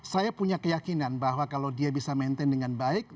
saya punya keyakinan bahwa kalau dia bisa maintain dengan baik